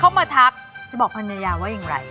มาทักจะบอกภรรยาว่าอย่างไร